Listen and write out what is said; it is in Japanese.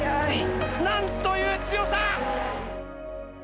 なんという強さ！